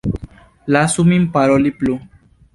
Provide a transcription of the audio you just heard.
Lasu min paroli plu!